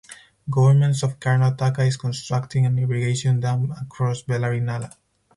Government of Karnataka is constructing an irrigation dam across Bellary Nala.